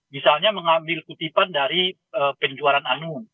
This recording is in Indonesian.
misalnya mengambil kutipan dari penjualan anu